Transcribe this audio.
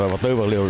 và tư vật liệu